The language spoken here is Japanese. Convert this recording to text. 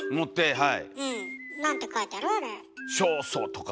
はい。